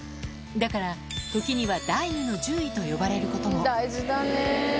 だから時には第二の獣医と呼ばれることも。